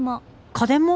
家電も！